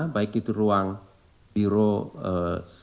baik itu ruang birok